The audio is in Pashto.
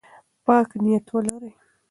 پاک نیت ولرئ.